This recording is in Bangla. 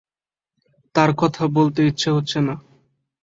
তার কথা বলতে ইচ্ছে হচ্ছে না।